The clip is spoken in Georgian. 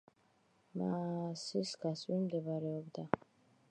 მაასის გასწვრივ მდებარეობდა.